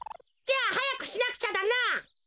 じゃあはやくしなくちゃだな！